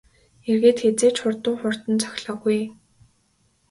Эргээд хэзээ ч хурдан хурдан цохилоогүй ээ.